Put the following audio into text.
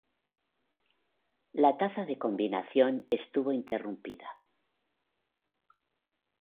La Taza de Combinación estuvo interrumpida.